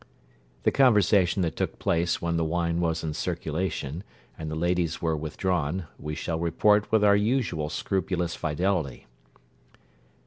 The conversation that took place when the wine was in circulation, and the ladies were withdrawn, we shall report with our usual scrupulous fidelity.